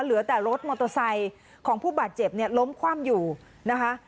เหลือแต่รถมอเตอร์ไซค์ของผู้บาดเจ็บเนี่ยล้มคว่ำอยู่นะคะ